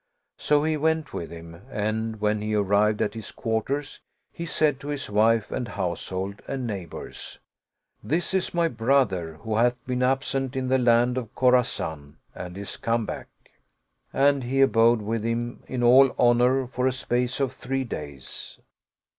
So he went with him, and when he arrived at his quarters, he said to his wife and household and neighbors, " This is my brother, who hath been absent in the land of Khorasan and is come back." And he abode with him in all honor for a space of three days.